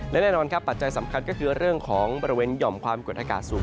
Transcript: และแน่นอนครับปัจจัยสำคัญก็คือเรื่องของบริเวณหย่อมความกดอากาศสูง